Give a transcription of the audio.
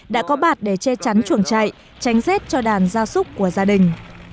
đã có bạt để che chắn trường trại tránh rét cho đàn gia súc của gia đình